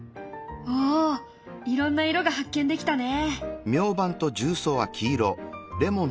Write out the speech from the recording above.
おおいろんな色が発見できたね。